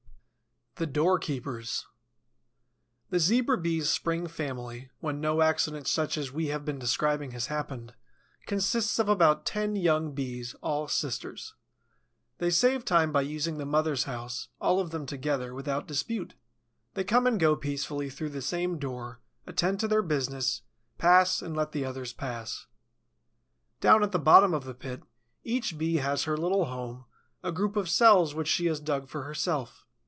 THE DOORKEEPERS The Zebra Bee's spring family, when no accident such as we have been describing has happened, consists of about ten young Bees, all sisters. They save time by using the mother's house, all of them together, without dispute. They come and go peacefully through the same door, attend to their business, pass and let the others pass. Down at the bottom of the pit, each Bee has her little home, a group of cells which she has dug for herself.